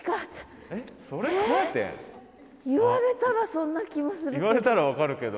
言われたらそんな気もするけど。